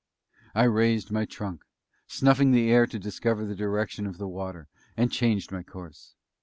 I raised my trunk, snuffing the air to discover the direction of the water, and changed my course.